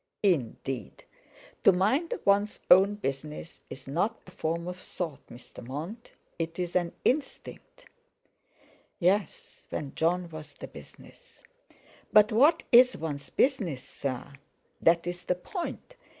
"Indeed! To mind one's own business is not a form of thought, Mr. Mont, it's an instinct." Yes, when Jon was the business! "But what is one's business, sir? That's the point.